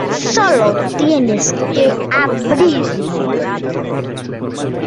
solo tienes que abrirlo.